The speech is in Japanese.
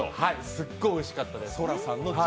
すっごいおいしかったです。